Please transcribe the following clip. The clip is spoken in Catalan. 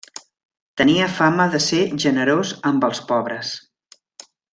Tenia fama de ser generós amb els pobres.